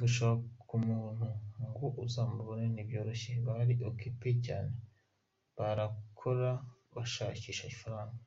Gushaka umuntu ngo uzamubone ntibyoroshye bari occupé cyane barakora bashakisha ifaranga.